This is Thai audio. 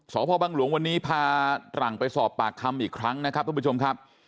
สพบังหลวงวันนี้พาหลังไปสอบปากคำอีกครั้งนะครับทุกผู้ชมครับ